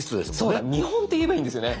そうだ見本って言えばいいんですよね。